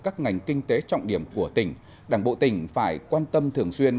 các ngành kinh tế trọng điểm của tỉnh đảng bộ tỉnh phải quan tâm thường xuyên